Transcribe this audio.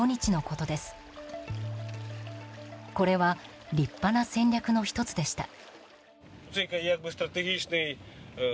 これは立派な戦略の１つでした。